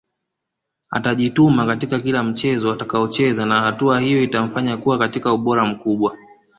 Atajituma katika kila mchezo atakaocheza na hatua hiyo itamfanya kuwa katika ubora mkubwa